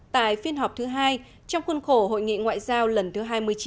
tại phiên họp thứ hai trong khuôn khổ hội nghị ngoại giao lần thứ hai mươi chín